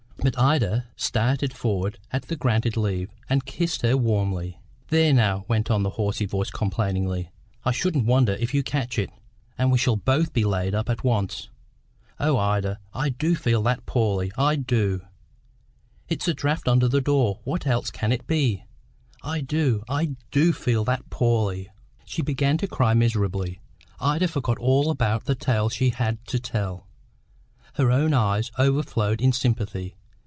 But Ida started forward at the granted leave, and kissed her warmly. "There now," went on the hoarse voice complainingly, "I shouldn't wonder if you catch it, and we shall both be laid up at once. Oh, Ida, I do feel that poorly, I do! It's the draught under the door; what else can it be? I do, I do feel that poorly!" She began to cry miserably. Ida forgot all about the tale she had to tell; her own eyes overflowed in sympathy.